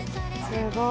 すごい。